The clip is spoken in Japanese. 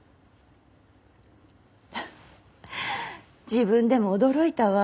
自分でも驚いたわ。